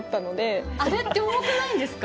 あれって重くないんですか？